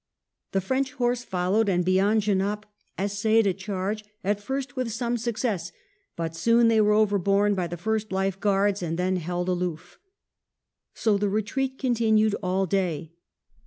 The French horse followed and beyond Genappe essayed a charge, at first with some success, but soon they were overborne by the First Life Guards, and then held aloof. So the retreat continued all day.